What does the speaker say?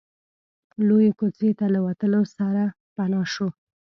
لويې کوڅې ته له وتلو سره پناه شو.